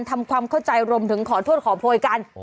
ทำความเข้าใจรวมถึงขอโทษขอโพยกัน